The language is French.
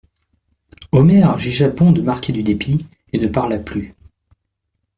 Omer jugea bon de marquer du dépit, et ne parla plus.